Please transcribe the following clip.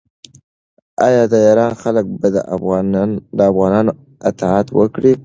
آیا د ایران خلک به د افغانانو اطاعت وکړي؟